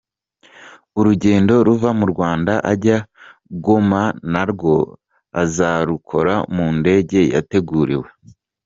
Urugendo ruva mu Rwanda ajya i Goma narwo azarukora mu ndege yateguriwe.